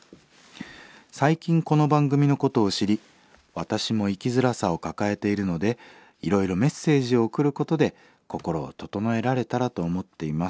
最近この番組のことを知り私も生きづらさを抱えているのでいろいろメッセージを送ることで心を整えられたらと思っています。